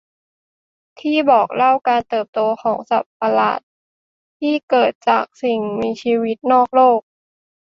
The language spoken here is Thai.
ที่บอกเล่าการเติบโตของสัตว์ประหลาดที่เกิดจากสิ่งมีชีวิตนอกโลก